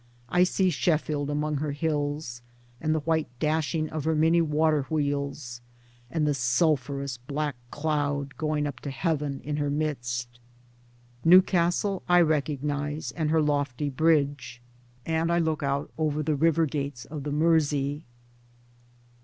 I see Sheffield among her hills, and the white dashing of her many water wheels, and the sulphurous black cloud going up to heaven in her midst. Newcastle I recognise, and her lofty bridge ; and I look out over the river gates of the Mersey.